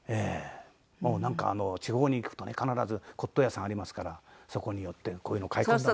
もうなんか地方に行くとね必ず骨董屋さんありますからそこに寄ってこういうの買い込んだ。